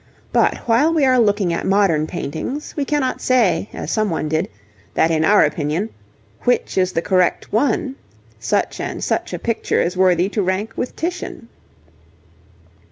But while we are looking at modern paintings, we cannot say, as some one did, that in our opinion, 'which is the correct one,' such and such a picture is worthy to rank with Titian.